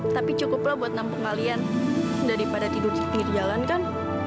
tapi cukuplah untuk menampung kalian daripada tidur di tinggi jalan kan